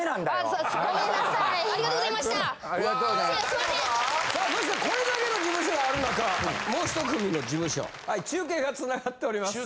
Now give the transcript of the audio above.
さあそしてこれだけの事務所がある中もう１組の事務所はい中継が繋がっております。